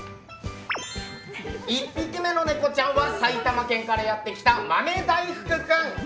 １匹目のネコちゃんは埼玉県からやってきた豆大福君。